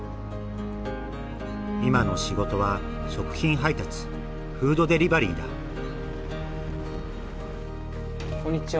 今の仕事は食品配達フードデリバリーだこんにちは。